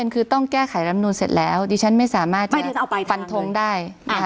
คือต้องแก้ไขรำนูนเสร็จแล้วดิฉันไม่สามารถที่จะฟันทงได้